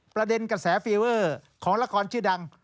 ประเด็นกระแสเฟวเวอร์ของละครชื่อดัง